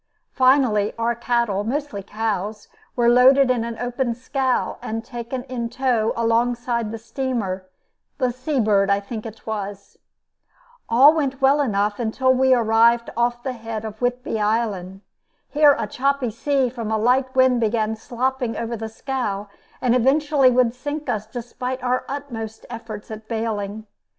Finally our cattle, mostly cows, were loaded in an open scow and taken in tow alongside the steamer, the Sea Bird, I think it was. [Illustration: A "shaker" used to wash out gold.] All went well enough until we arrived off the head of Whidby Island. Here a choppy sea from a light wind began slopping over the scow and evidently would sink us despite our utmost efforts at bailing.